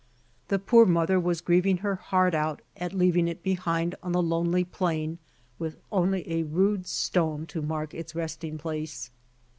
The poor mother was grieving her heart out at leaving it behind on the lonely plain with only a rude stone to mark its resting place.